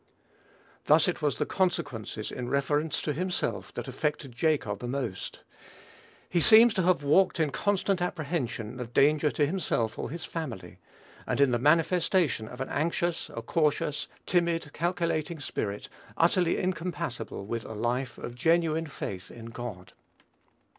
Thus it was the consequences in reference to himself that affected Jacob most. He seems to have walked in constant apprehension of danger to himself or his family, and in the manifestation of an anxious, a cautious, timid, calculating spirit, utterly incompatible with a life of genuine faith in God.